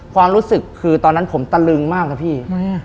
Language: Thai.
ความรู้สึกคือตอนนั้นผมตะลึงมากนะพี่